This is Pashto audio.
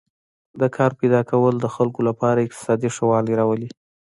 د کار پیدا کول د خلکو لپاره اقتصادي ښه والی راولي.